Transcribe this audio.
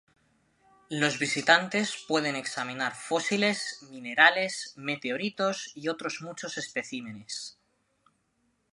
Los visitantes pueden examinar fósiles, minerales, meteoritos, y muchos otros especímenes.